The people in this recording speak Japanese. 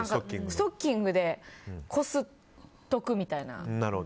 ストッキングでこすっておくみたいな。